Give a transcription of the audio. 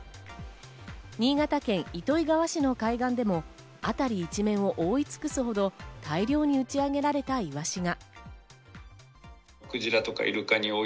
新潟県糸魚川市の海岸でも辺り一面を覆い尽くすほど大量に打ち上げられたイワシが。